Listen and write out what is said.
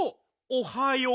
おはよう！